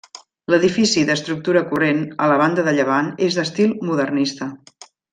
L'edifici, d'estructura corrent, a la banda de llevant és d'estil modernista.